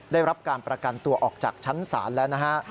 ได้รับการประกันตัวออกจากชั้นศาลแล้วนะฮะ